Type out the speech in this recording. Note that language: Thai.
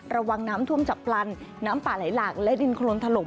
ระวังน้ำท่วมจับพลันน้ำป่าไหลหลากและดินโครนถล่ม